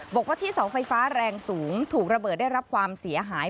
บอกว่าที่เสาไฟฟ้าแรงสูงถูกระเบิดได้รับความเสียหาย